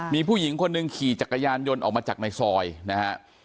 มีผู้หญิงคนหนึ่งขี่จักรยานยนต์ออกมาจากในซอยนะฮะ